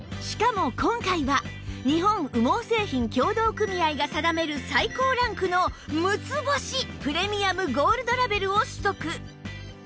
しかも今回は日本羽毛製品協同組合が定める最高ランクの６つ星プレミアムゴールドラベルを取得